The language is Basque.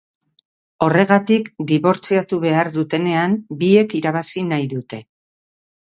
Horregatik, dibortziatu behar dutenean, biek irabazi nahi dute.